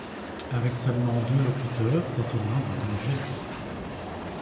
Avec seulement deux locuteurs, c’est une langue en danger.